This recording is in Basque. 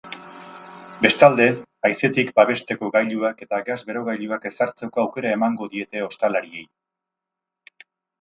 Bestalde, haizetik babesteko gailuak eta gas berogailuak ezartzeko aukera emango diete ostalariei.